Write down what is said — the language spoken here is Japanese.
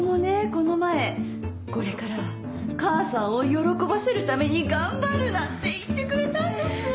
この前「これからは母さんを喜ばせるために頑張る」なんて言ってくれたんです！